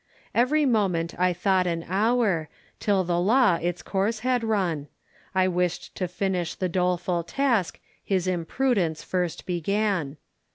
Every moment I thought an hour Till the law its course had run; I wished to finish the doleful task His imprudence first began.